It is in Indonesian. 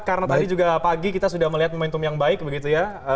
karena tadi juga pagi kita sudah melihat momentum yang baik begitu ya